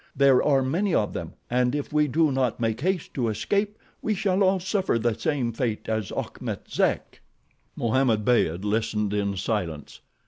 There are many of them, and if we do not make haste to escape we shall all suffer the same fate as Achmet Zek." Mohammed Beyd listened in silence.